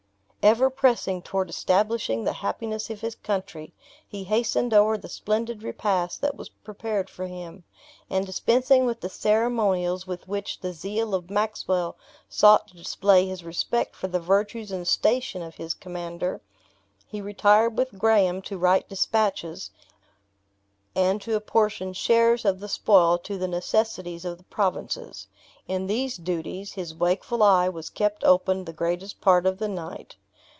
Ever pressing toward establishing the happiness of his country, he hastened over the splendid repast that was prepared for him; and dispensing with the ceremonials with which the zeal of Maxwell sought to display his respect for the virtues and station of his commander, he retired with Graham to write dispatches, and to apportion shares of the spoil to the necessities of the provinces. In these duties, his wakeful eye was kept open the greatest part of the night.